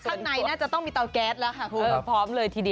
เอ้ยเอ็นกระชังปลาอ้าวปลา